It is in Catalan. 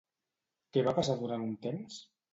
Què va passar durant un temps?